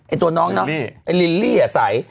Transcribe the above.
ตัวน้องเนาะไอ้ลิลลี่อ่ะใส